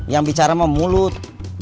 yang bicara mau mulut